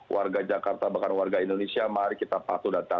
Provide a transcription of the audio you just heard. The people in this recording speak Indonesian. warga jakarta bahkan warga indonesia mari kita patuh data